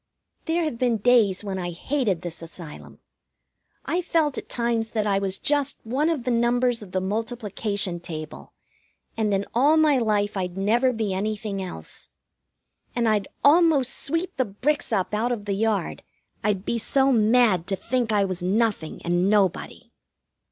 There have been days when I hated this Asylum. I've felt at times that I was just one of the numbers of the multiplication table, and in all my life I'd never be anything else. And I'd almost sweep the bricks up out of the yard, I'd be so mad to think I was nothing and nobody.